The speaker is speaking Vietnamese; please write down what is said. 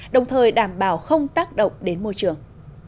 đồng thời đảm bảo không tác động đến môi trường